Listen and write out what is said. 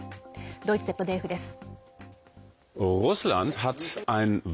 ドイツＺＤＦです。